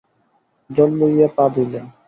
জল লইয়া পা ধুইলেন।